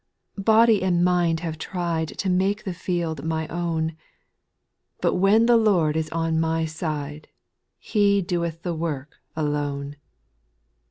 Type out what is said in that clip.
Body and mind have tried To make the field my own ; But when the Lord is on my side, He doeth the work alone.